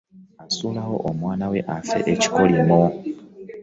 Asuulawo omwana we afe ekikolimo .